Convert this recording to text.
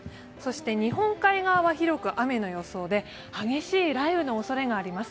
日本海側は広く雨の予想で、激しい雷雨のおそれがあります。